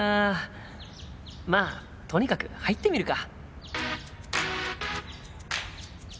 まあとにかく入ってみるか。